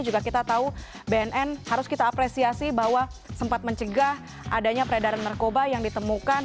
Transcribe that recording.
juga kita tahu bnn harus kita apresiasi bahwa sempat mencegah adanya peredaran narkoba yang ditemukan